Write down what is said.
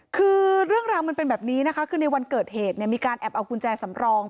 คือเรื่องราวมันเป็นแบบนี้นะคะคือในวันเกิดเหตุเนี่ยมีการแอบเอากุญแจสำรอง